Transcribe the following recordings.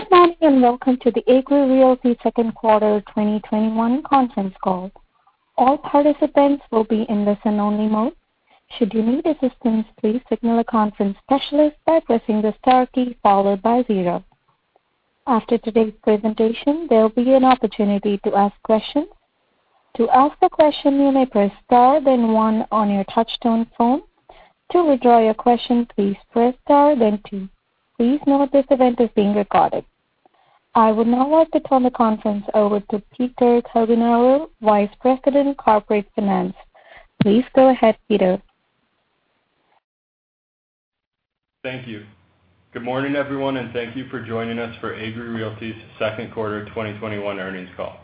Good morning, welcome to the Agree Realty second quarter 2021 conference call. I would now like to turn the conference over to Peter Coughenour, Vice President of Corporate Finance. Please go ahead, Peter. Thank you. Good morning, everyone, and thank you for joining us for Agree Realty's second-quarter 2021 earnings call.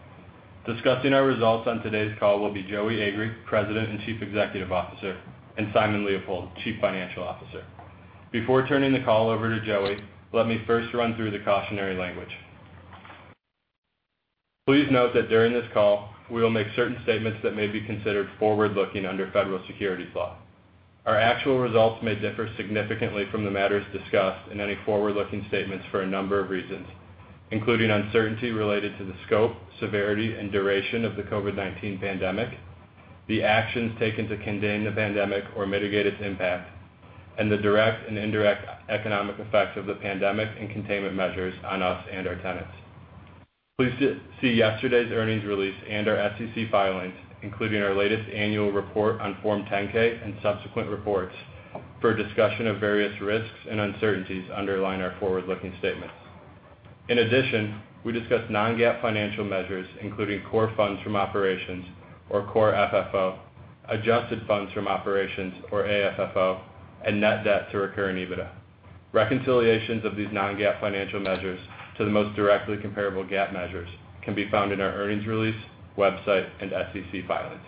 Discussing our results on today's call will be Joey Agree, President and Chief Executive Officer, and Simon Leopold, Chief Financial Officer. Before turning the call over to Joey, let me first run through the cautionary language. Please note that during this call, we will make certain statements that may be considered forward-looking under federal securities law. Our actual results may differ significantly from the matters discussed in any forward-looking statements for a number of reasons, including uncertainty related to the scope, severity, and duration of the COVID-19 pandemic, the actions taken to contain the pandemic or mitigate its impact, and the direct and indirect economic effects of the pandemic and containment measures on us and our tenants. Please see yesterday's earnings release and our SEC filings, including our latest annual report on Form 10-K and subsequent reports for a discussion of various risks and uncertainties underlying our forward-looking statements. In addition, we discuss non-GAAP financial measures, including core funds from operations or core FFO, adjusted funds from operations or AFFO, and net debt to recurring EBITDA. Reconciliations of these non-GAAP financial measures to the most directly comparable GAAP measures can be found in our earnings release, website, and SEC filings.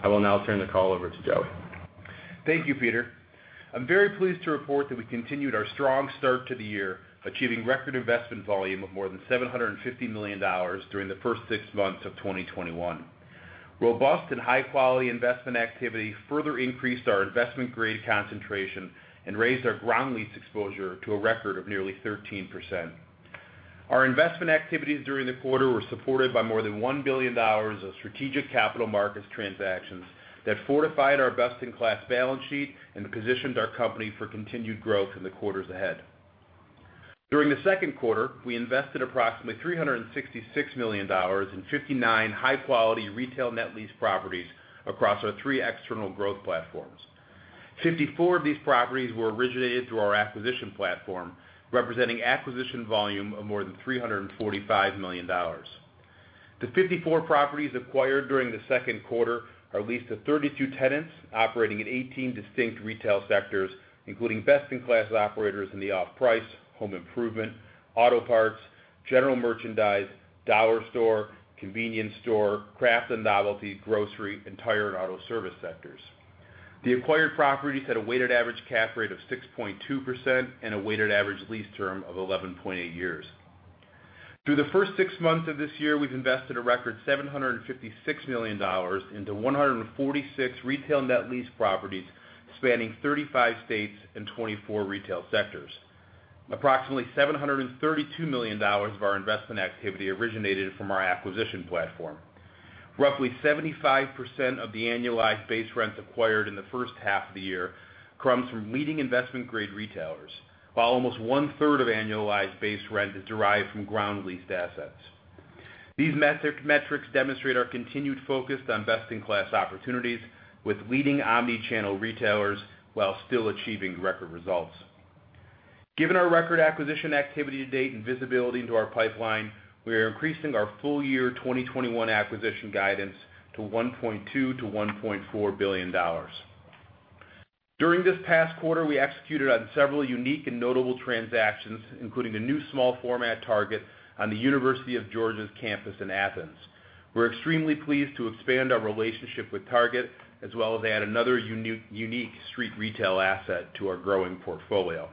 I will now turn the call over to Joey. Thank you, Peter. I'm very pleased to report that we continued our strong start to the year, achieving a record investment volume of more than $750 million during the first six months of 2021. Robust and high-quality investment activity further increased our investment-grade concentration and raised our ground lease exposure to a record of nearly 13%. Our investment activities during the quarter were supported by more than $1 billion of strategic capital markets transactions that fortified our best-in-class balance sheet and positioned our company for continued growth in the quarters ahead. During the second quarter, we invested approximately $366 million in 59 high-quality retail net lease properties across our three external growth platforms. 54 of these properties were originated through our acquisition platform, representing an acquisition volume of more than $345 million. The 54 properties acquired during the second quarter are leased to 32 tenants operating in 18 distinct retail sectors, including best-in-class operators in the off-price, home improvement, auto parts, general merchandise, dollar store, convenience store, craft and novelty, grocery, and tire and auto service sectors. The acquired properties had a weighted average cap rate of 6.2% and a weighted average lease term of 11.8 years. Through the first six months of this year, we've invested a record $756 million into 146 retail net lease properties spanning 35 states and 24 retail sectors. Approximately $732 million of our investment activity originated from our acquisition platform. Roughly 75% of the annualized base rents acquired in the first half of the year comes from leading investment-grade retailers, while almost one-third of annualized base rent is derived from ground-leased assets. These metrics demonstrate our continued focus on best-in-class opportunities with leading omnichannel retailers while still achieving record results. Given our record acquisition activity to date and visibility into our pipeline, we are increasing our full-year 2021 acquisition guidance to $1.2 billion-$1.4 billion. During this past quarter, we executed several unique and notable transactions, including a new small-format Target on the University of Georgia's campus in Athens. We are extremely pleased to expand our relationship with Target, as well as add another unique street retail asset to our growing portfolio.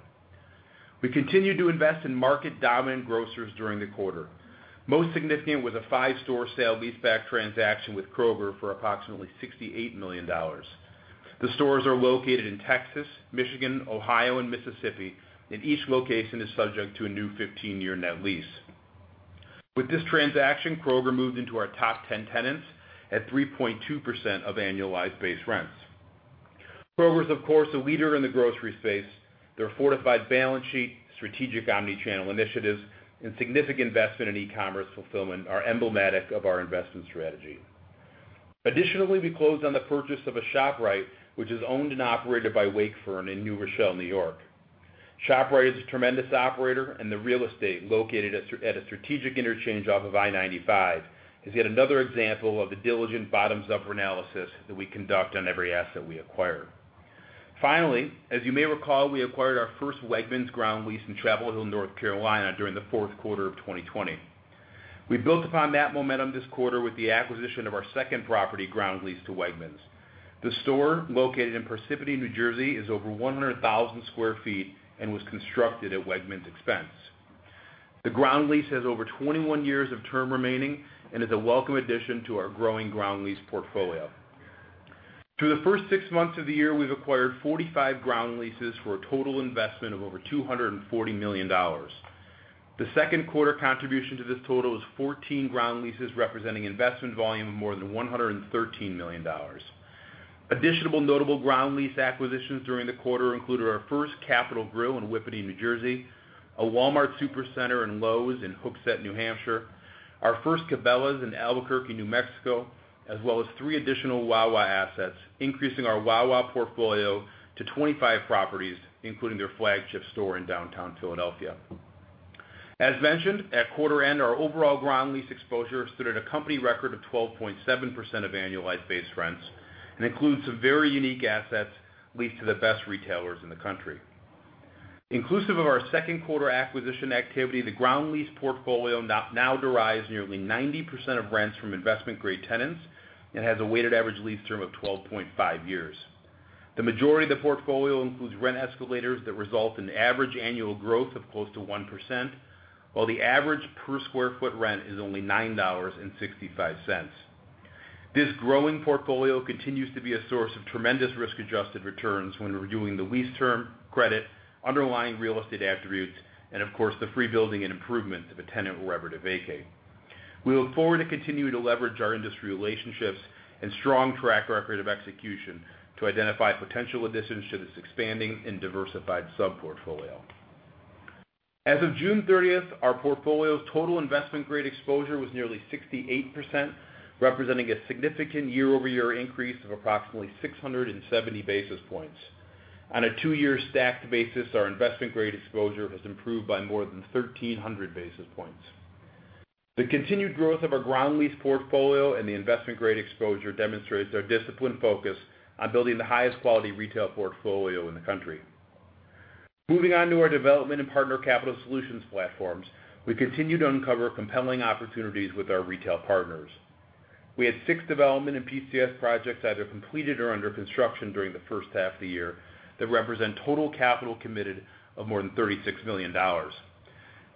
We continued to invest in market-dominant grocers during the quarter. Most significant was a five-store sale-leaseback transaction with Kroger for approximately $68 million. The stores are located in Texas, Michigan, Ohio, and Mississippi, and each location is subject to a new 15-year net lease. With this transaction, Kroger moved into our top 10 tenants at 3.2% of annualized base rents. Kroger is, of course, a leader in the grocery space. Their fortified balance sheet, strategic omnichannel initiatives, and significant investment in e-commerce fulfillment are emblematic of our investment strategy. We closed on the purchase of a ShopRite, which is owned and operated by Wakefern in New Rochelle, New York. ShopRite is a tremendous operator, and the real estate located at a strategic interchange off of I-95 is yet another example of the diligent bottom-up analysis that we conduct on every asset we acquire. As you may recall, we acquired our first Wegmans ground lease in Chapel Hill, North Carolina during the fourth quarter of 2020. We built upon that momentum this quarter with the acquisition of our second property ground leased to Wegmans. The store, located in Parsippany, New Jersey, is over 100,000 sq ft and was constructed at Wegman's expense. The ground lease has over 21 years remaining and is a welcome addition to our growing ground lease portfolio. Through the first six months of the year, we've acquired 45 ground leases for a total investment of over $240 million. The second-quarter contribution to this total is 14 ground leases, representing an investment volume of more than $113 million. Additional notable ground lease acquisitions during the quarter included our first Capital Grille in Whippany, New Jersey, a Walmart Supercenter and Lowe's in Hooksett, New Hampshire, our first Cabela's in Albuquerque, New Mexico, as well as three additional Wawa assets, increasing our Wawa portfolio to 25 properties, including their flagship store in downtown Philadelphia. As mentioned, at quarter end, our overall ground lease exposure stood at a company record of 12.7% of annualized base rents. It includes some very unique assets leased to the best retailers in the country. Inclusive of our second-quarter acquisition activity, the ground lease portfolio now derives nearly 90% of rents from investment-grade tenants and has a weighted average lease term of 12.5 years. The majority of the portfolio includes rent escalators that result in average annual growth of close to one percent, while the average per square foot rent is only $9.65. This growing portfolio continues to be a source of tremendous risk-adjusted returns when reviewing the lease term, credit, underlying real estate attributes, and of course, the free building and improvement if a tenant were ever to vacate. We look forward to continuing to leverage our industry relationships and strong track record of execution to identify potential additions to this expanding and diversified sub-portfolio. As of June 30th, our portfolio's total investment-grade exposure was nearly 68%, representing a significant year-over-year increase of approximately 670 basis points. On a two-year stacked basis, our investment-grade exposure has improved by more than 1,300 basis points. The continued growth of our ground lease portfolio and the investment-grade exposure demonstrates our disciplined focus on building the highest quality retail portfolio in the country. Moving on to our development and Partner Capital Solutions platforms, we continue to uncover compelling opportunities with our retail partners. We had six development and PCS projects either completed or under construction during the first half of the year that represent total capital committed of more than $36 million.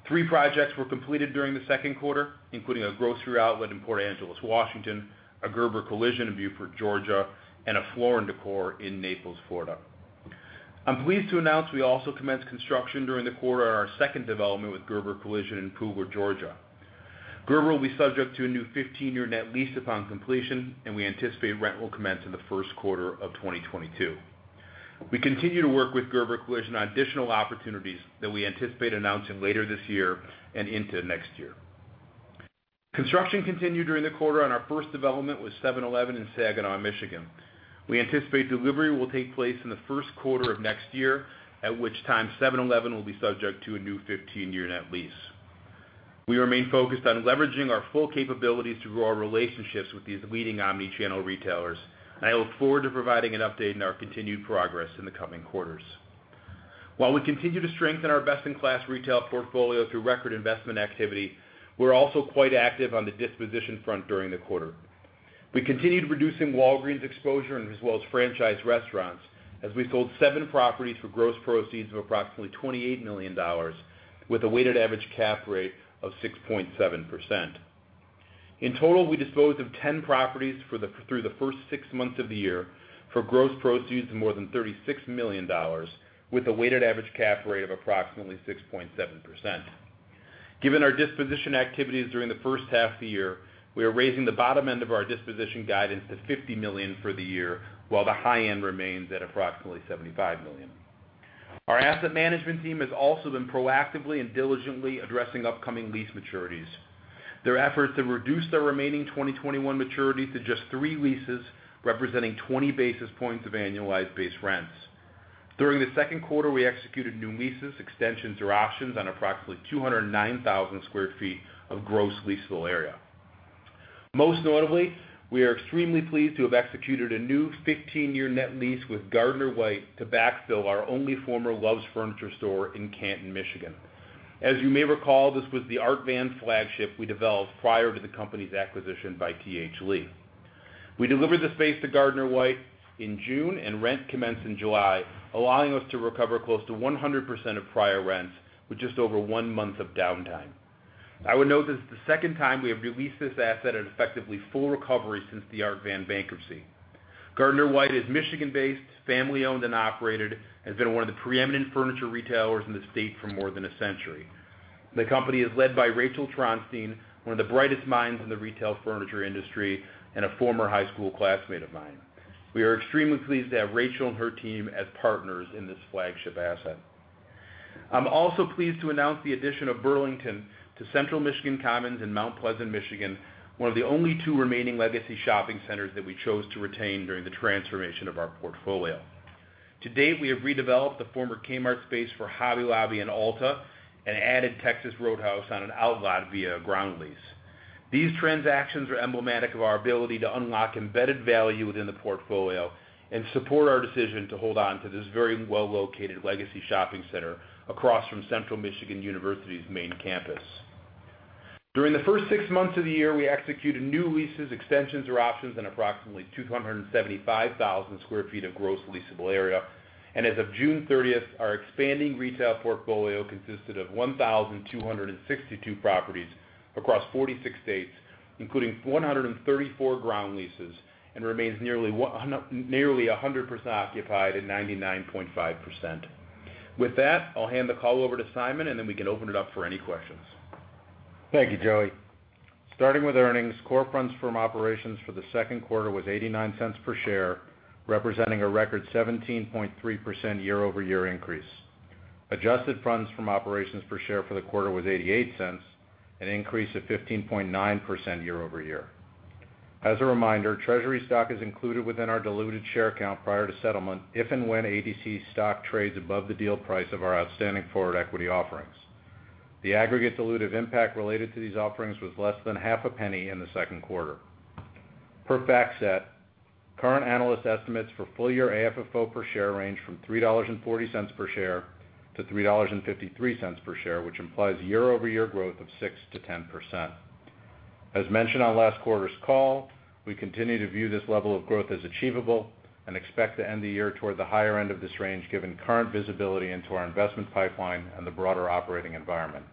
Three projects were completed during the second quarter, including a Grocery Outlet in Port Angeles, Washington, a Gerber Collision in Buford, Georgia, and a Floor & Decor in Naples, Florida. I am pleased to announce we also commenced construction during the quarter on our second development with Gerber Collision in Pooler, Georgia. Gerber will be subject to a new 15-year net lease upon completion, and we anticipate rent will commence in the first quarter of 2022. We continue to work with Gerber Collision on additional opportunities that we anticipate announcing later this year and into next year. Construction continued during the quarter on our first development with 7-Eleven in Saginaw, Michigan. We anticipate delivery will take place in the first quarter of next year, at which time 7-Eleven will be subject to a new 15-year net lease. We remain focused on leveraging our full capabilities through our relationships with these leading omnichannel retailers. I look forward to providing an update on our continued progress in the coming quarters. While we continue to strengthen our best-in-class retail portfolio through record investment activity, we're also quite active on the disposition front during the quarter. We continued reducing Walgreens exposure as well as franchise restaurants, as we sold 7 properties for gross proceeds of approximately $28 million, with a weighted average cap rate of 6.7%. In total, we disposed of 10 properties through the first 6 months of the year for gross proceeds of more than $36 million with a weighted average cap rate of approximately 6.7%. Given our disposition activities during the first half of the year, we are raising the bottom end of our disposition guidance to $50 million for the year, while the high end remains at approximately $75 million. Our asset management team has also been proactively and diligently addressing upcoming lease maturities. Their efforts have reduced our remaining 2021 maturity to just 3 leases, representing 20 basis points of annualized base rents. During the second quarter, we executed new leases, extensions, or options on approximately 209,000 sq ft of gross leasable area. Most notably, we are extremely pleased to have executed a new 15-year net lease with Gardner-White to backfill our only former Loves Furniture store in Canton, Michigan. As you may recall, this was the Art Van flagship we developed prior to the company's acquisition by T.H. Lee. We delivered the space to Gardner-White in June, and rent commenced in July, allowing us to recover close to 100% of prior rents with just over 1 month of downtime. I would note this is the second time we have re-leased this asset at effectively full recovery since the Art Van bankruptcy. Gardner-White is Michigan-based, family-owned and operated, and has been one of the preeminent furniture retailers in the state for more than a century. The company is led by Rachel Tronstein Stewart, one of the brightest minds in the retail furniture industry and a former high school classmate of mine. We are extremely pleased to have Rachel and her team as partners in this flagship asset. I'm also pleased to announce the addition of Burlington to Central Michigan Commons in Mount Pleasant, Michigan, one of the only two remaining legacy shopping centers that we chose to retain during the transformation of our portfolio. To date, we have redeveloped the former Kmart space for Hobby Lobby and Ulta and added Texas Roadhouse on an outlot via a ground lease. These transactions are emblematic of our ability to unlock embedded value within the portfolio and support our decision to hold on to this very well-located legacy shopping center across from Central Michigan University's main campus. During the first six months of the year, we executed new leases, extensions, or options on approximately 275,000 sq ft of gross leasable area. As of June 30th, our expanding retail portfolio consisted of 1,262 properties across 46 states, including 134 ground leases and remains nearly 100% occupied at 99.5%. With that, I'll hand the call over to Simon, and then we can open it up for any questions. Thank you, Joey. Starting with earnings, core funds from operations for the second quarter was $0.89 per share, representing a record 17.3% year-over-year increase. Adjusted funds from operations per share for the quarter was $0.88, an increase of 15.9% year-over-year. As a reminder, treasury stock is included within our diluted share count prior to settlement if and when ADC stock trades above the deal price of our outstanding forward equity offerings. The aggregate dilutive impact related to these offerings was less than half a penny in the second quarter. Per fact set, current analyst estimates for full-year AFFO per share range from $3.40 per share to $3.53 per share, which implies year-over-year growth of 6%-10%. As mentioned on last quarter's call, we continue to view this level of growth as achievable and expect to end the year toward the higher end of this range, given current visibility into our investment pipeline and the broader operating environment.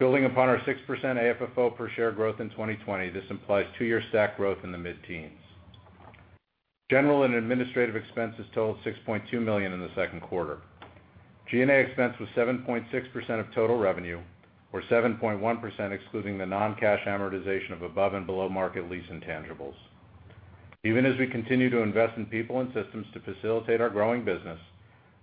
Building upon our 6% AFFO per share growth in 2020, this implies two-year stack growth in the mid-teens. General and administrative expenses totaled $6.2 million in the second quarter. G&A expense was 7.6% of total revenue or 7.1% excluding the non-cash amortization of above- and below-market lease intangibles. Even as we continue to invest in people and systems to facilitate our growing business,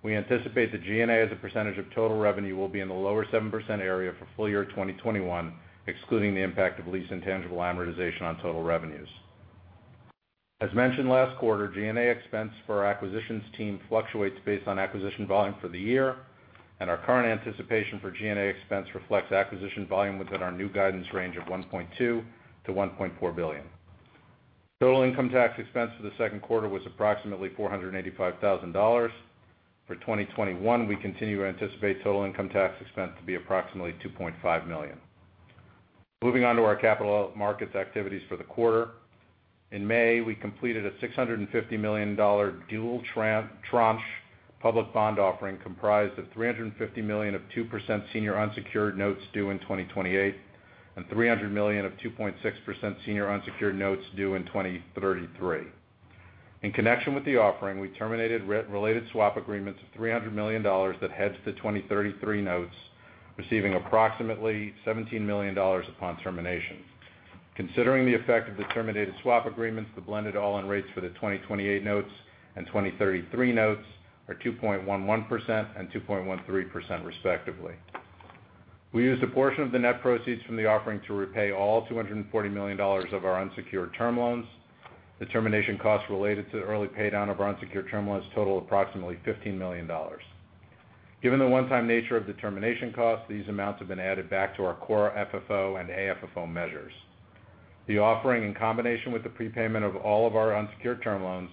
we anticipate the G&A as a percentage of total revenue will be in the lower 7% area for full year 2021, excluding the impact of lease intangible amortization on total revenues. As mentioned last quarter, G&A expense for our acquisitions team fluctuates based on acquisition volume for the year, and our current anticipation for G&A expense reflects acquisition volume within our new guidance range of $1.2 billion-$1.4 billion. Total income tax expense for the second quarter was approximately $485,000. For 2021, we continue to anticipate total income tax expense to be approximately $2.5 million. Moving on to our capital markets activities for the quarter. In May, we completed a $650 million dual tranche public bond offering comprised of $350 million of 2% senior unsecured notes due in 2028 and $300 million of 2.6% senior unsecured notes due in 2033. In connection with the offering, we terminated related swap agreements of $300 million that hedge the 2033 notes, receiving approximately $17 million upon termination. Considering the effect of the terminated swap agreements, the blended all-in rates for the 2028 notes and 2033 notes are 2.11% and 2.13%, respectively. We used a portion of the net proceeds from the offering to repay all $240 million of our unsecured term loans. The termination costs related to the early paydown of our unsecured term loans total approximately $15 million. Given the one-time nature of the termination costs, these amounts have been added back to our core FFO and AFFO measures. The offering, in combination with the prepayment of all of our unsecured term loans,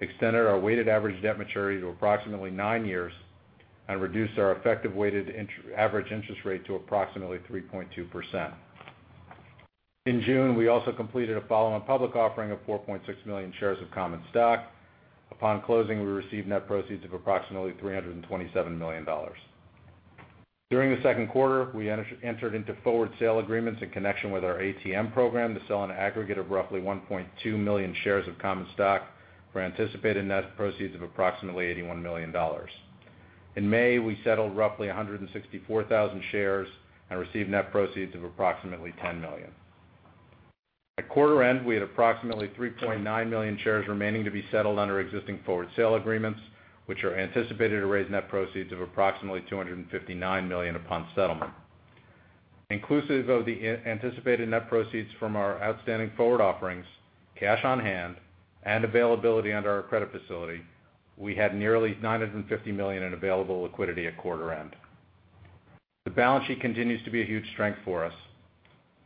extended our weighted average debt maturity to approximately nine years and reduced our effective weighted average interest rate to approximately 3.2%. In June, we also completed a follow-on public offering of 4.6 million shares of common stock. Upon closing, we received net proceeds of approximately $327 million. During the second quarter, we entered into forward sale agreements in connection with our ATM program to sell an aggregate of roughly 1.2 million shares of common stock for anticipated net proceeds of approximately $81 million. In May, we settled roughly 164,000 shares and received net proceeds of approximately $10 million. At quarter end, we had approximately 3.9 million shares remaining to be settled under existing forward sale agreements, which are anticipated to raise net proceeds of approximately $259 million upon settlement. Inclusive of the anticipated net proceeds from our outstanding forward offerings, cash on hand, and availability under our credit facility, we had nearly $950 million in available liquidity at quarter end. The balance sheet continues to be a huge strength for us.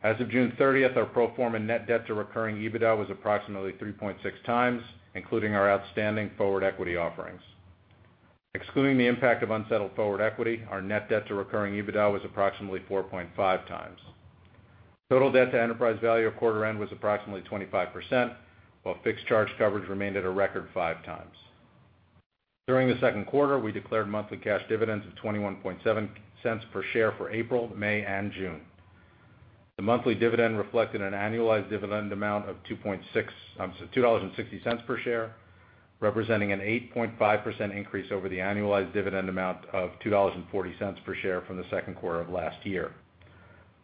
As of June 30th, our pro forma net debt to recurring EBITDA was approximately 3.6 times, including our outstanding forward equity offerings. Excluding the impact of unsettled forward equity, our net debt to recurring EBITDA was approximately 4.5 times. Total debt to enterprise value at quarter end was approximately 25%, while fixed charge coverage remained at a record 5 times. During the second quarter, we declared monthly cash dividends of $0.217 per share for April, May, and June. The monthly dividend reflected an annualized dividend amount of $2.60 per share, representing an 8.5% increase over the annualized dividend amount of $2.40 per share from the second quarter of last year.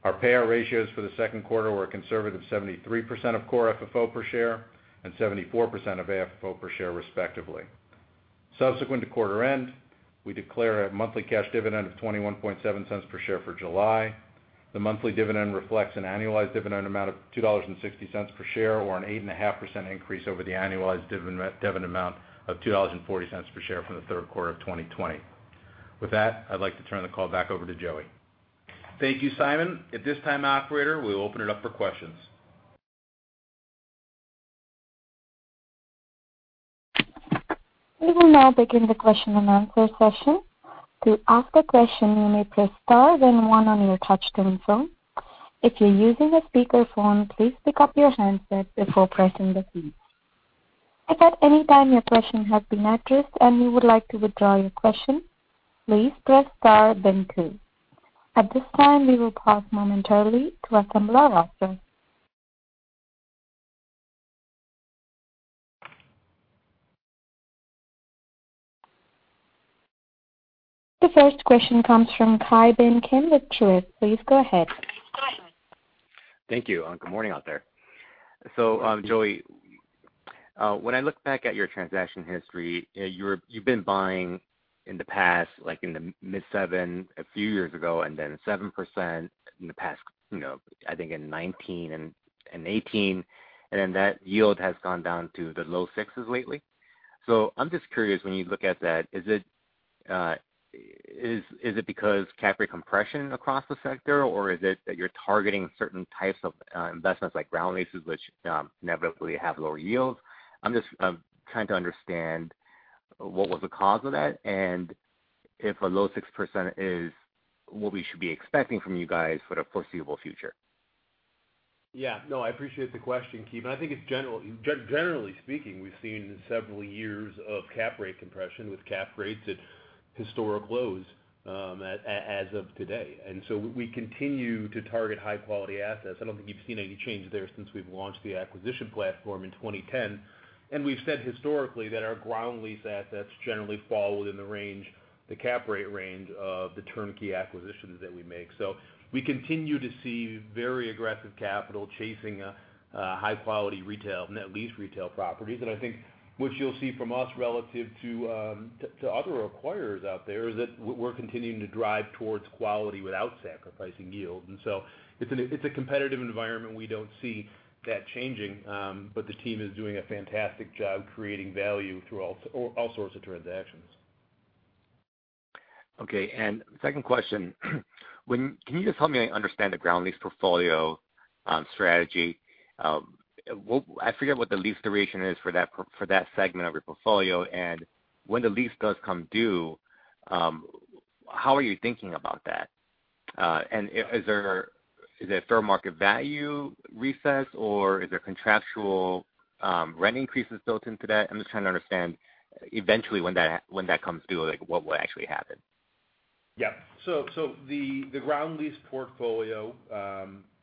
Our payout ratios for the second quarter were a conservative 73% of core FFO per share and 74% of AFFO per share, respectively. Subsequent to quarter end, we declare a monthly cash dividend of $0.217 per share for July. The monthly dividend reflects an annualized dividend amount of $2.60 per share, or an 8.5% increase over the annualized dividend amount of $2.40 per share from the third quarter of 2020. With that, I'd like to turn the call back over to Joey. Thank you, Simon. At this time, operator, we will open it up for questions. We will now begin the question and answer session. To ask a question, you may press star, then one on your touchtone phone. If you're using a speakerphone, please pick up your handset before pressing the key. If at any time your question has been addressed and you would like to withdraw your question, please press star then two. At this time, we will pause momentarily to assemble our operator. The first question comes from Ki Bin Kim with Truist. Please go ahead. Thank you, and good morning out there. Joey, when I look back at your transaction history, you've been buying in the past, like in the mid-7% a few years ago, and then 7% in the past, I think in 2019 and 2018, and then that yield has gone down to the low 6% lately. I'm just curious, when you look at that, is it because of cap rate compression across the sector, or is it that you're targeting certain types of investments like ground leases, which inevitably have lower yields? I'm just trying to understand what was the cause of that, and if a low 6% is what we should be expecting from you guys for the foreseeable future. Yeah. No, I appreciate the question, Ki Bin. I think generally speaking, we've seen several years of cap rate compression, with cap rates at historic lows as of today. We continue to target high-quality assets. I don't think you've seen any change there since we launched the acquisition platform in 2010. We've said historically that our ground lease assets generally fall within the cap rate range of the turnkey acquisitions that we make. We continue to see very aggressive capital chasing high-quality retail, net lease retail properties. I think what you'll see from us relative to other acquirers out there is that we're continuing to drive toward quality without sacrificing yield. It's a competitive environment, and we don't see that changing. The team is doing a fantastic job creating value through all sorts of transactions. Okay, second question. Can you just help me understand the ground lease portfolio strategy? I forget what the lease duration is for that segment of your portfolio. When the lease does come due, how are you thinking about that? Is there a fair market value reset, or are there contractual rent increases built into that? I'm just trying to understand what will actually happen when that eventually comes due. The ground lease portfolio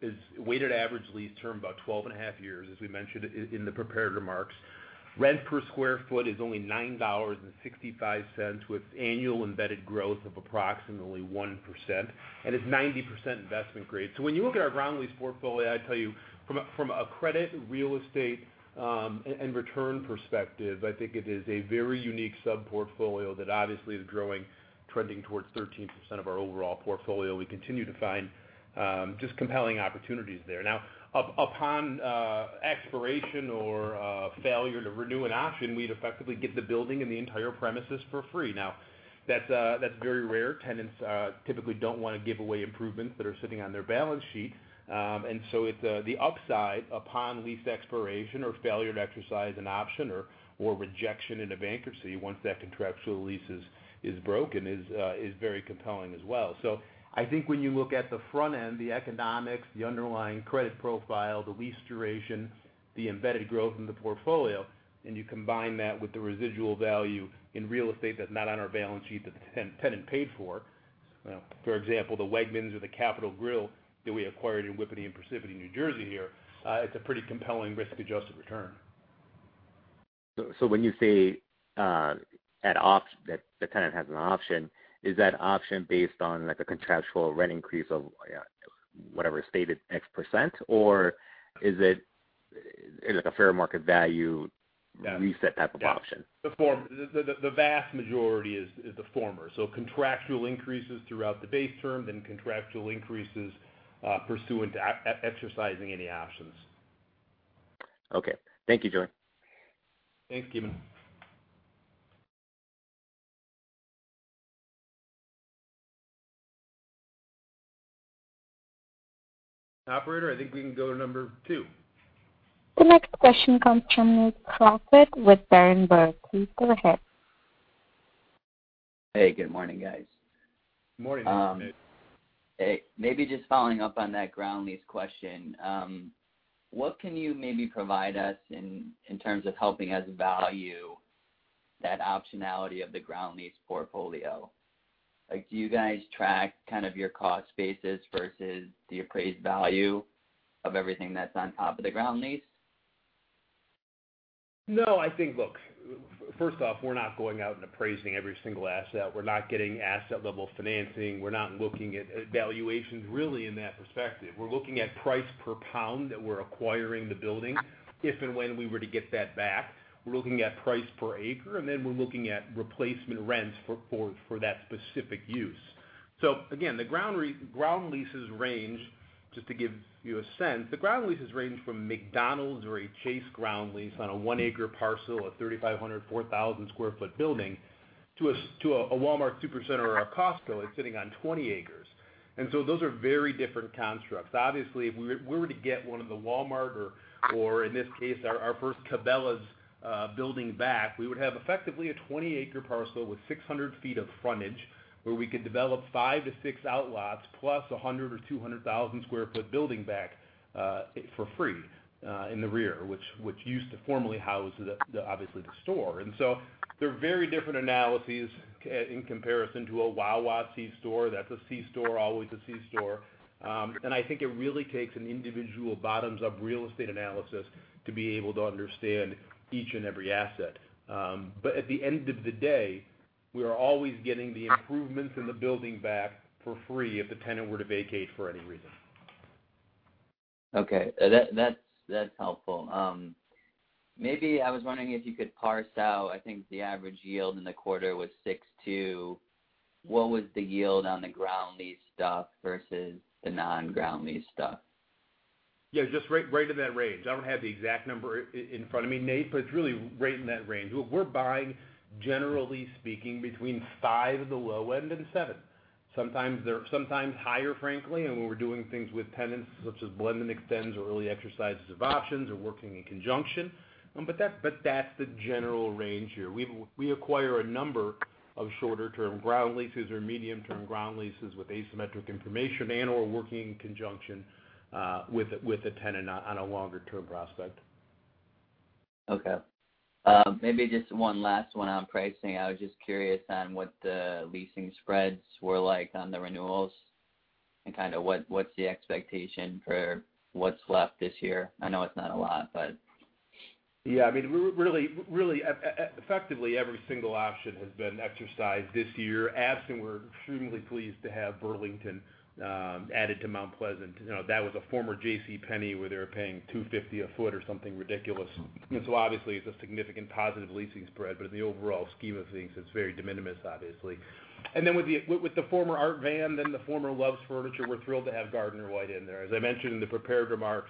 has a weighted average lease term of about 12.5 years, as we mentioned in the prepared remarks. Rent per square foot is only $9.65, with annual embedded growth of approximately 1%, and it's 90% investment grade. When you look at our ground lease portfolio, I'd tell you from a credit, real estate, and return perspective, I think it is a very unique sub-portfolio that obviously is growing, trending towards 13% of our overall portfolio. We continue to find compelling opportunities there. Upon expiration or failure to renew an option, we'd effectively get the building and the entire premises for free. That's very rare. Tenants typically don't want to give away improvements that are sitting on their balance sheet. The upside upon lease expiration, or failure to exercise an option or rejection into bankruptcy once that contractual lease is broken, is very compelling as well. I think when you look at the front end, the economics, the underlying credit profile, the lease duration, the embedded growth in the portfolio, and you combine that with the residual value in real estate that's not on our balance sheet that the tenant paid for—for example, the Wegmans or The Capital Grille that we acquired in Whippany and Parsippany, New Jersey here—it's a pretty compelling risk-adjusted return. When you say that the tenant has an option, is that option based on a contractual rent increase of whatever stated X%, or is it a fair market value reset type of option? The vast majority are the former. Contractual increases occur throughout the base term, then contractual increases occur pursuant to exercising any options. Okay. Thank you, Joey. Thanks, Ki Bin Kim. Operator, I think we can go to number two. The next question comes from Nick Crawford with Berenberg. Please go ahead. Hey, good morning, guys. Good morning, Nick. Hey. Maybe just following up on that ground lease question. What can you provide us in terms of helping us value the optionality of the ground lease portfolio? Do you guys track your cost basis versus the appraised value of everything that's on top of the ground lease? First off, we're not going out and appraising every single asset. We're not getting asset-level financing. We're not looking at valuations really in that perspective. We're looking at the price per pound that we're acquiring the building, if and when we were to get that back. We're looking at the price per acre, and then we're looking at replacement rents for that specific use. Again, just to give you a sense, the ground leases range from McDonald's or a Chase ground lease on a one-acre parcel, a 3,500-4,000-square-foot building, to a Walmart Supercenter or a Costco that's sitting on 20 acres. Those are very different constructs. Obviously, if we were to get one of the Walmart or, in this case, our first Cabela's building back, we would have effectively a 20-acre parcel with 600 feet of frontage where we could develop five to six outlots, plus a 100,000 or 200,000 square foot building back for free in the rear, which formerly housed the store. They're very different analyses in comparison to a Wawa C-store. That's a C-store, always a C-store. I think it really takes an individual bottoms-up real estate analysis to be able to understand each and every asset. At the end of the day, we are always getting the improvements in the building back for free if the tenant were to vacate for any reason. Okay. That's helpful. I was wondering if you could parse out, I think the average yield in the quarter was 6.2%. What was the yield on the ground lease stuff versus the non-ground lease stuff? Yeah, just right in that range. I don't have the exact number in front of me, Nick Crawford, but it's really right in that range. We're buying, generally speaking, between 5% at the low end and 7%. Sometimes higher, frankly, and when we're doing things with tenants such as blend and extends or early exercises of options or working in conjunction, that's the general range here. We acquire a number of shorter-term ground leases or medium-term ground leases with asymmetric information and/or working in conjunction with a tenant on a longer-term prospect. Okay. Maybe just one last one on pricing. I was just curious what the leasing spreads were like on the renewals and what the expectation is for what's left this year. I know it's not a lot. Yeah, effectively, every single option has been exercised this year. Absolutely, we're extremely pleased to have Burlington added to Mount Pleasant. That was a former JCPenney where they were paying $250 a foot or something ridiculous. Obviously, it's a significant positive leasing spread. In the overall scheme of things, it's very de minimis, obviously. With the former Art Van, then the former Loves Furniture, we're thrilled to have Gardner-White in there. As I mentioned in the prepared remarks,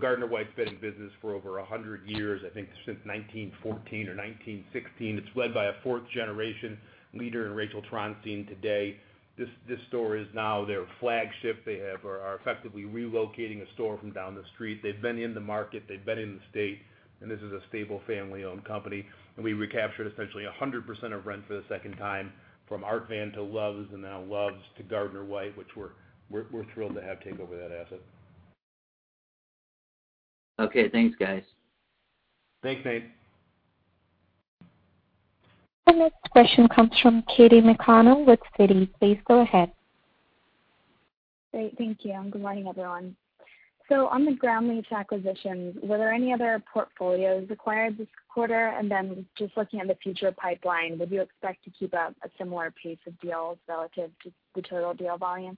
Gardner-White's been in business for over 100 years, I think since 1914 or 1916. It's led by a fourth-generation leader in Rachel Tronstein today. This store is now their flagship. They are effectively relocating a store from down the street. They've been in the market, they've been in the state; this is a stable, family-owned company. We recaptured essentially 100% of rent for the second time, from Art Van to Loves Furniture and now Loves Furniture to Gardner-White, which we're thrilled to have take over that asset. Okay, thanks, guys. Thanks, Nick Crawford. The next question comes from Katy McConnell with Citi. Please go ahead. Great, thank you, and good morning, everyone. On the ground lease acquisitions, were there any other portfolios acquired this quarter? Then, just looking at the future pipeline, would you expect to keep up a similar pace of deals relative to the total deal volume?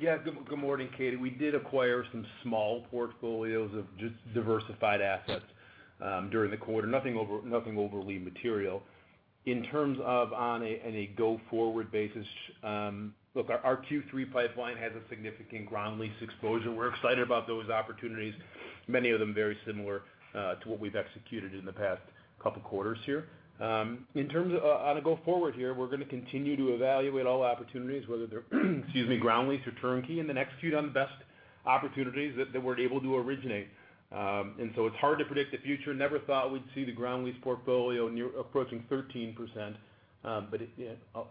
Good morning, Katy. We did acquire some small portfolios of diversified assets during the quarter, nothing overly material. On a go-forward basis, our Q3 pipeline has significant ground lease exposure. We're excited about those opportunities, many of them very similar to what we've executed in the past couple of quarters. Going forward, we're going to continue to evaluate all opportunities, whether they're ground lease or turnkey, and then execute on the best opportunities that we're able to originate. It's hard to predict the future. I never thought we'd see the ground lease portfolio approaching 13%, but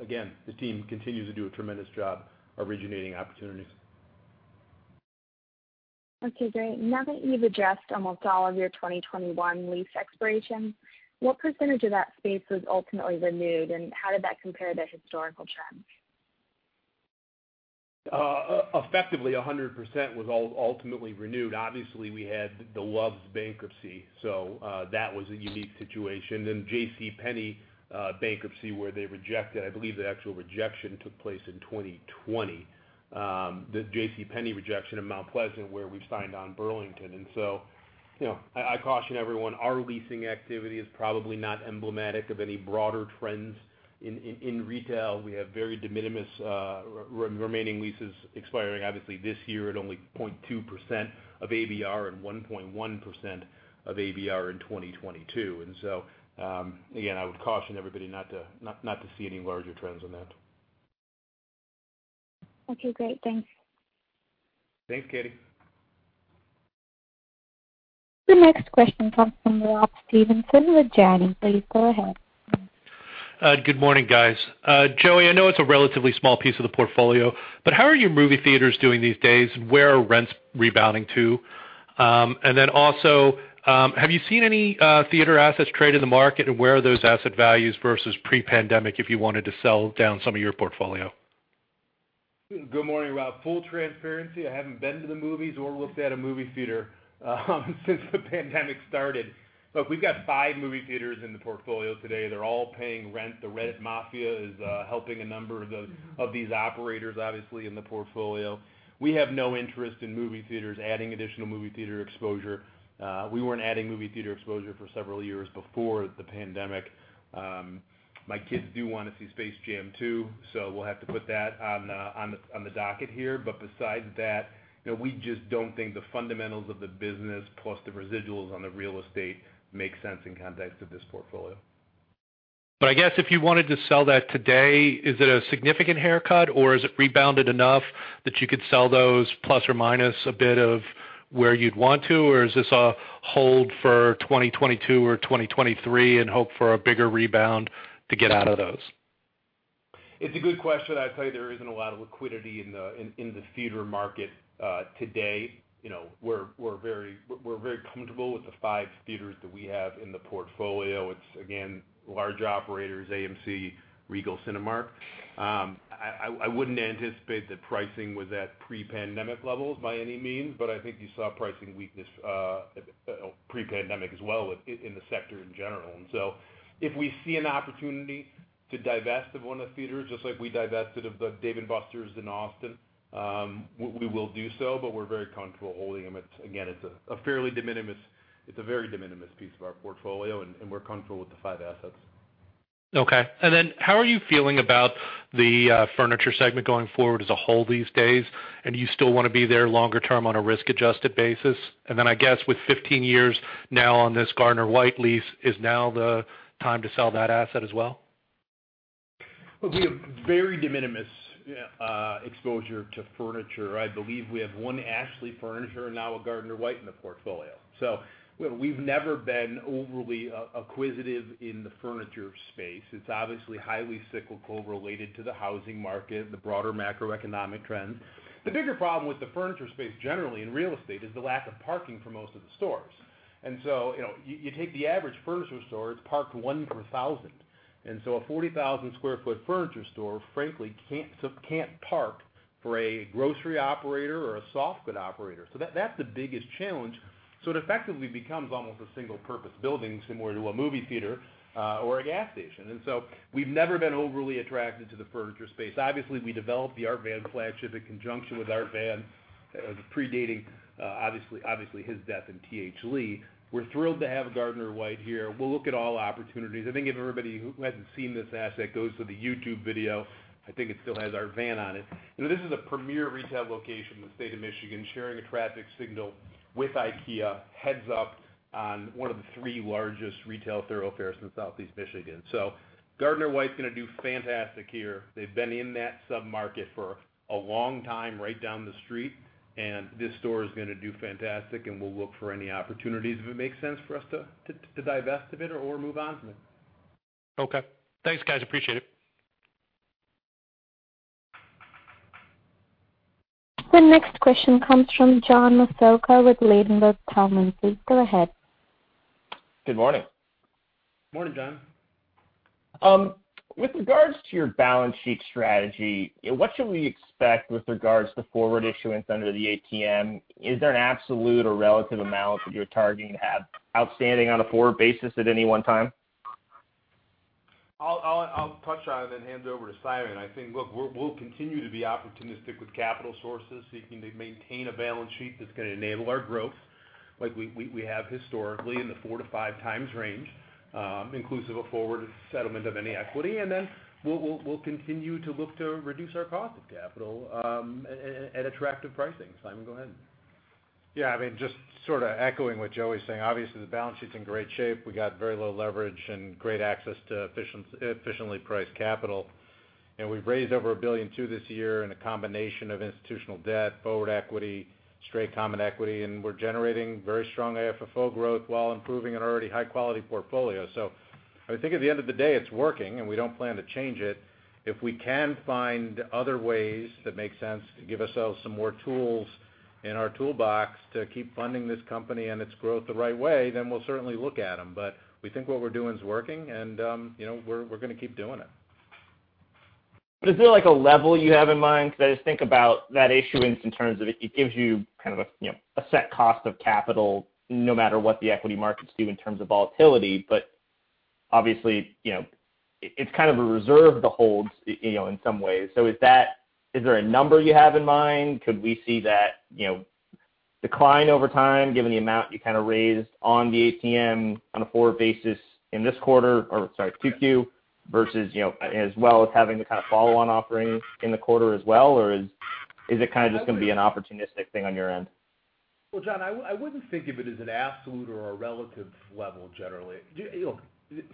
again, the team continues to do a tremendous job originating opportunities. Okay, great. Now that you've addressed almost all of your 2021 lease expirations, what percentage of that space was ultimately renewed, and how did that compare to historical trends? Effectively, 100% was ultimately renewed. Obviously, we had the Loves Furniture bankruptcy, so that was a unique situation. JCPenney's bankruptcy, where they rejected, I believe the actual rejection took place in 2020. The JCPenney rejection in Mount Pleasant, where we've signed on Burlington. I caution everyone, our leasing activity is probably not emblematic of any broader trends in retail. We have very de minimis remaining leases expiring, obviously this year at only 0.2% of ABR and 1.1% of ABR in 2022. Again, I would caution everybody not to see any larger trends in that. Okay, great. Thanks. Thanks, Katy. The next question comes from Rob Stevenson with Janney. Please go ahead. Good morning, guys. Joey, I know it's a relatively small piece of the portfolio, but how are your movie theaters doing these days? Where are rents rebounding? Also, have you seen any theater assets trade in the market? Where are those asset values versus pre-pandemic if you wanted to sell down some of your portfolio? Good morning, Rob. Full transparency, I haven't been to the movies or looked at a movie theater since the pandemic started. Look, we've got five movie theaters in the portfolio today. They're all paying rent. The Red Mafia is helping a number of these operators, obviously, in the portfolio. We have no interest in movie theaters, adding additional movie theater exposure. We weren't adding movie theater exposure for several years before the pandemic. My kids do want to see "Space Jam 2," so we'll have to put that on the docket here. Besides that, we just don't think the fundamentals of the business plus the residuals on the real estate make sense in the context of this portfolio. I guess if you wanted to sell that today, is it a significant haircut, or has it rebounded enough that you could sell those plus or minus a bit of where you'd want to? Or is this a hold for 2022 or 2023 and hope for a bigger rebound to get out of those? It's a good question. I'd tell you there isn't a lot of liquidity in the theater market today. We're very comfortable with the five theaters that we have in the portfolio. It's again, large operators: AMC, Regal, Cinemark. I wouldn't anticipate that pricing was at pre-pandemic levels by any means, but I think you saw pricing weakness pre-pandemic as well in the sector in general. If we see an opportunity to divest one of the theaters, just like we divested the Dave & Buster's in Austin, we will do so, but we're very comfortable holding them. Again, it's a very de minimis piece of our portfolio, and we're comfortable with the five assets. How are you feeling about the furniture segment going forward as a whole these days? Do you still want to be there longer term on a risk-adjusted basis? I guess with 15 years now on this Gardner-White lease, is now the time to sell that asset as well? We have very de minimis exposure to furniture. I believe we have one Ashley Furniture, now a Gardner-White, in the portfolio. We've never been overly acquisitive in the furniture space. It's obviously highly cyclical, related to the housing market and broader macroeconomic trends. The bigger problem with the furniture space generally in real estate is the lack of parking for most of the stores. You take the average furniture store; it's parked one per thousand. A 40,000 sq ft furniture store, frankly, can't park for a grocery operator or a softgoods operator. That's the biggest challenge. It effectively becomes almost a single-purpose building, similar to a movie theater or a gas station. We've never been overly attracted to the furniture space. Obviously, we developed the Art Van flagship in conjunction with Art Van, predating his death and T.H. Lee. We're thrilled to have Gardner-White here. We'll look at all opportunities. I think if everybody who hasn't seen this asset goes to the YouTube video, I think it still has Art Van on it. This is a premier retail location in the state of Michigan, sharing a traffic signal with IKEA, heads up on one of the three largest retail thoroughfares in Southeast Michigan. Gardner-White's going to do fantastically here. They've been in that sub-market for a long time, right down the street, and this store is going to do fantastically, and we'll look for any opportunities if it makes sense for us to divest of it or move on from it. Okay. Thanks, guys. Appreciate it. The next question comes from John Massocca with Ladenburg Thalmann. Please go ahead. Good morning. Morning, John. With regard to your balance sheet strategy, what should we expect regarding forward issuance under the ATM? Is there an absolute or relative amount that you're targeting to have outstanding on a forward basis at any one time? I'll touch on it, then hand it over to Simon. I think, look, we'll continue to be opportunistic with capital sources, seeking to maintain a balance sheet that's going to enable our growth like we have historically in the 4 to 5 times range, inclusive of forward settlement of any equity. Then we'll continue to look to reduce our cost of capital at attractive pricing. Simon, go ahead. Just sort of echoing what Joey's saying, obviously, the balance sheet's in great shape. We've got very low leverage and great access to efficiently priced capital. We've raised over $1 billion this year in a combination of institutional debt, forward equity, straight common equity, and we're generating very strong AFFO growth while improving an already high-quality portfolio. I think at the end of the day, it's working, and we don't plan to change it. If we can find other ways that make sense to give ourselves some more tools in our toolbox to keep funding this company and its growth the right way, then we'll certainly look at them. We think what we're doing is working, and we're going to keep doing it. Is there a level you have in mind? Because I just think about that issuance in terms of it gives you kind of a set cost of capital no matter what the equity markets do in terms of volatility. Obviously, it's kind of a reserve to hold, in some ways. Is there a number you have in mind? Could we see that decline over time, given the amount you kind of raised on the ATM on a forward basis in this quarter, or sorry, Q2, as well as having the kind of follow-on offerings in the quarter as well? Is it kind of just going to be an opportunistic thing on your end? Well, John, I wouldn't think of it as an absolute or a relative level generally. Look,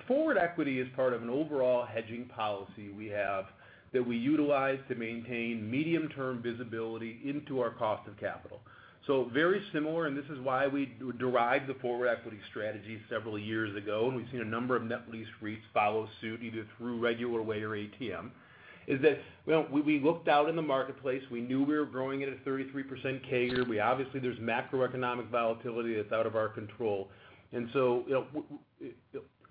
forward equity is part of an overall hedging policy we have that we utilize to maintain medium-term visibility into our cost of capital. It's very similar, and this is why we derived the forward equity strategy several years ago, and we've seen a number of net lease REITs follow suit, either through regular way or ATM, is that we looked out in the marketplace. We knew we were growing at a 33% CAGR. Obviously, there's macroeconomic volatility that's out of our control.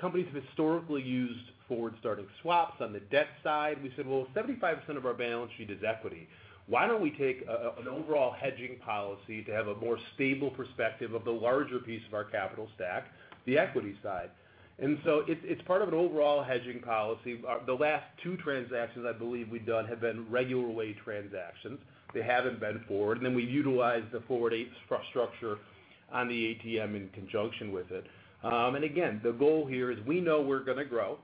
Companies historically used forward-starting swaps on the debt side. We said, "Well, 75% of our balance sheet is equity." Why don't we take an overall hedging policy to have a more stable perspective of the larger piece of our capital stack, the equity side? It's part of an overall hedging policy. The last two transactions I believe we've done have been regular-way transactions. They haven't been forward. We utilize the forward structure on the ATM in conjunction with it. Again, the goal here is we know we're going to grow,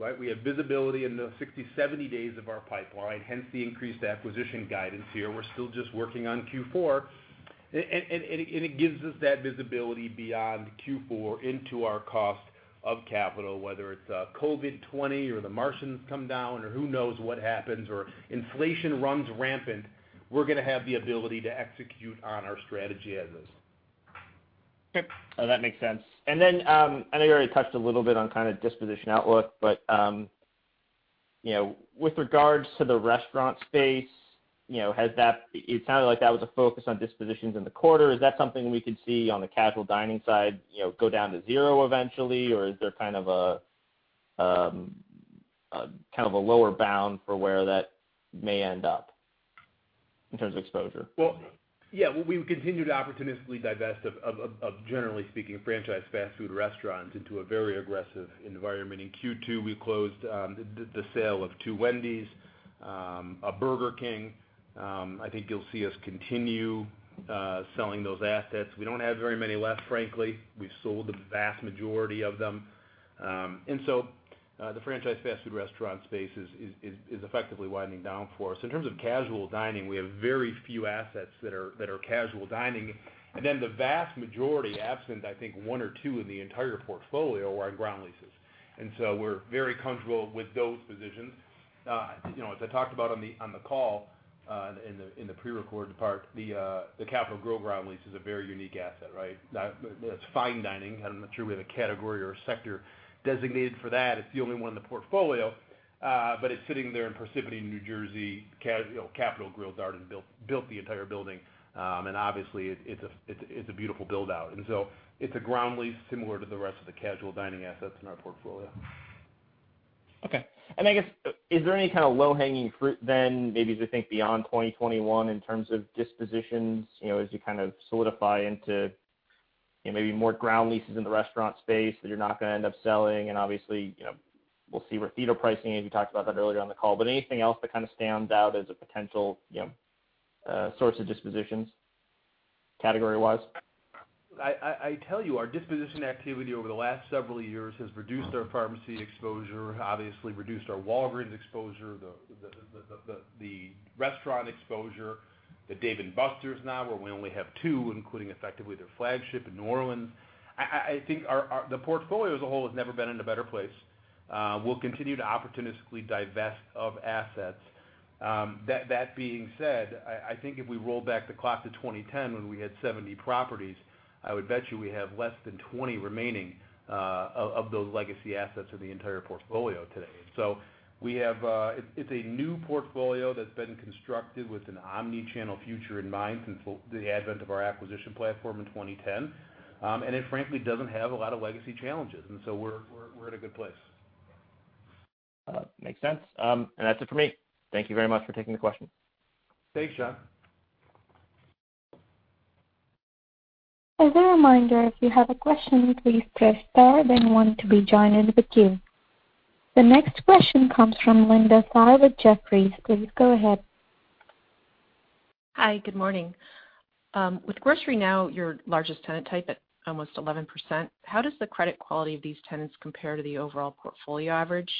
right? We have visibility into 60-70 days of our pipeline, hence the increased acquisition guidance here. We're still just working on Q4. It gives us that visibility beyond Q4 into our cost of capital, whether it's COVID-20 or the Martians come down or who knows what happens, or inflation runs rampant, we're going to have the ability to execute on our strategy as is. Okay. No, that makes sense. I know you already touched a little bit on kind of disposition outlook, but with regards to the restaurant space, it sounded like that was a focus on dispositions in the quarter. Is that something we could see on the casual dining side go down to zero eventually? Or is there kind of a lower bound for where that may end up in terms of exposure? Well, yeah. We've continued to opportunistically divest, generally speaking, of franchise fast-food restaurants into a very aggressive environment. In Q2, we closed the sale of two Wendy's and a Burger King. I think you'll see us continue selling those assets. We don't have very many left, frankly. We've sold the vast majority of them. The franchise fast-food restaurant space is effectively winding down for us. In terms of casual dining, we have very few assets that are casual dining. The vast majority, absent I think one or two in the entire portfolio, are on ground leases. We're very comfortable with those positions. As I talked about on the call, in the prerecorded part, The Capital Grille ground lease is a very unique asset, right? That's fine dining. I'm not sure we have a category or sector designated for that. It's the only one in the portfolio. It's sitting there in Parsippany, New Jersey. Capital Grille built the entire building. Obviously, it's a beautiful build-out. It's a ground lease, similar to the rest of the casual dining assets in our portfolio. Okay. I guess, is there any kind of low-hanging fruit, maybe as we think beyond 2021 in terms of dispositions, as you kind of solidify into maybe more ground leases in the restaurant space that you're not going to end up selling? Obviously, we'll see where feeder pricing is. You talked about that earlier on the call. Anything else that kind of stands out as a potential source of dispositions category-wise? I tell you, our disposition activity over the last several years has reduced our pharmacy exposure, obviously reduced our Walgreens exposure, the restaurant exposure, the Dave & Buster's now, where we only have two, including effectively their flagship in New Orleans. I think the portfolio as a whole has never been in a better place. We'll continue to opportunistically divest assets. That being said, I think if we roll back the clock to 2010, when we had 70 properties, I would bet you we have less than 20 remaining of those legacy assets of the entire portfolio today. It's a new portfolio that's been constructed with an omnichannel future in mind since the advent of our acquisition platform in 2010. It frankly doesn't have a lot of legacy challenges. We're in a good place. Makes sense. That's it for me. Thank you very much for taking the question. Thanks, John. As a reminder, if you have a question, please press star, then one to be joined into the queue. The next question comes from Linda Tsai with Jefferies. Please go ahead. Hi. Good morning. With grocery now your largest tenant type at almost 11%, how does the credit quality of these tenants compare to the overall portfolio average?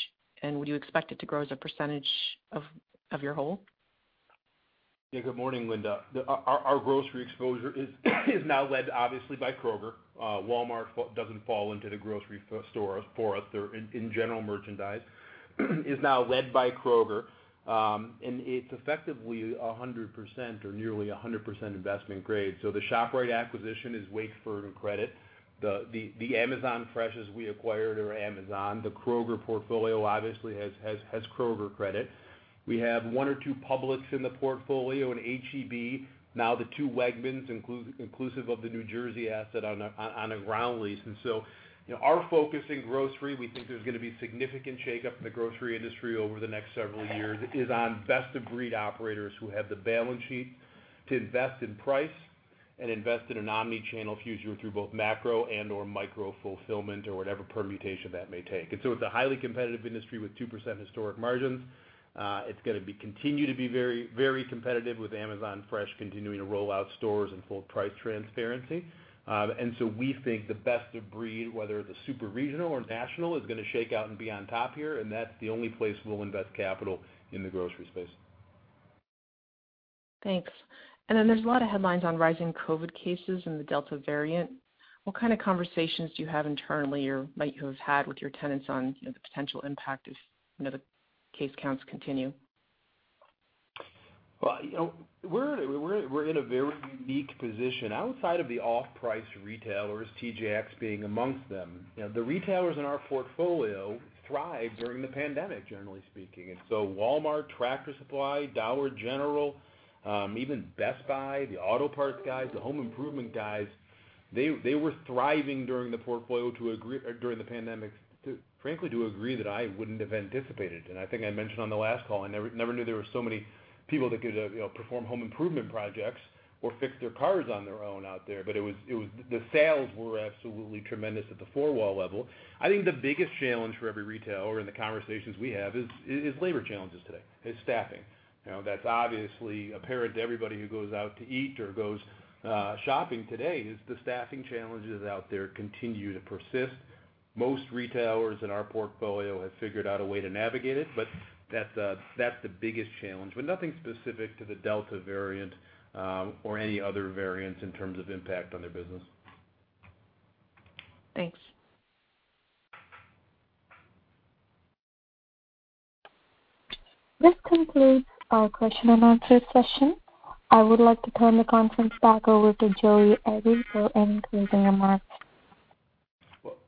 Would you expect it to grow as a percentage of your whole? Good morning, Linda. Our grocery exposure is now led, obviously, by Kroger. Walmart doesn't fall into the grocery store category for us; they're in general merchandise. It's effectively 100% or nearly 100% investment grade. The ShopRite acquisition is Wakefern credit. The Amazon Fresh stores we acquired are Amazon. The Kroger portfolio obviously has Kroger credit. We have one or two Publix in the portfolio, and H-E-B. The two Wegmans are inclusive of the New Jersey asset on a ground lease. Our focus in grocery, as we think there's going to be significant shakeup in the grocery industry over the next several years, is on best-of-breed operators who have the balance sheet to invest in price and invest in an omnichannel future through both macro and/or micro fulfillment or whatever permutation that may take. It's a highly competitive industry with 2% historic margins. It's going to continue to be very competitive with Amazon Fresh continuing to roll out stores and full price transparency. We think the best of breed, whether super regional or national, is going to shake out and be on top here, and that's the only place we'll invest capital in the grocery space. Thanks. There are a lot of headlines on rising COVID cases and the Delta variant. What kind of conversations do you have internally or might you have had with your tenants on the potential impact if the case counts continue? We're in a very unique position. Outside of the off-price retailers, TJX being among them, the retailers in our portfolio thrived during the pandemic, generally speaking. Walmart, Tractor Supply, Dollar General, even Best Buy, the auto parts guys, the home improvement guys, they were thriving during the pandemic, frankly, to a degree that I wouldn't have anticipated. I think I mentioned on the last call, I never knew there were so many people out there who could perform home improvement projects or fix their cars on their own. The sales were absolutely tremendous at the four-wall level. I think the biggest challenge for every retailer in the conversations we have today is labor challenges, specifically staffing. That's obviously apparent to everybody who goes out to eat or goes shopping today, as the staffing challenges out there continue to persist. Most retailers in our portfolio have figured out a way to navigate it, but that's the biggest challenge, but nothing specific to the Delta variant or any other variants in terms of impact on their business. Thanks. This concludes our question and answer session. I would like to turn the conference back over to Joey Agree for any closing remarks.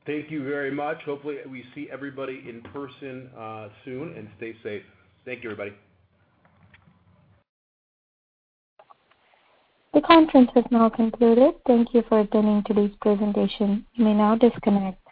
Well, thank you very much. Hopefully, we'll see everybody in person soon, and stay safe. Thank you, everybody. The conference has now concluded. Thank you for attending today's presentation. You may now disconnect..